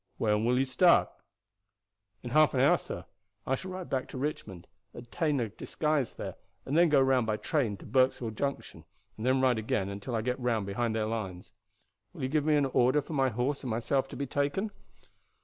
When will you start?" "In half an hour, sir. I shall ride back to Richmond, obtain a disguise there, and then go round by train to Burksville Junction and then ride again until I get round behind their lines. Will you give me an order for my horse and myself to be taken?"